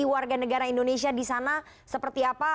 warga negara indonesia di sana seperti apa